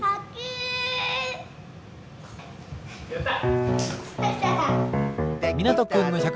やった！